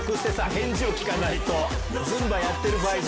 返事を聞かないと。